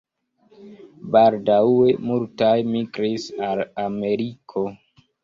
Baldaŭe multaj migris al Ameriko.